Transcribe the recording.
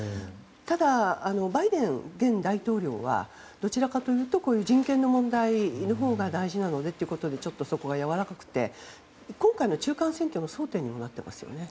ただバイデン現大統領はどちらかというと人権の問題のほうが大事なのでということでそこはやわらかくて今回の中間選挙の争点になっていますよね。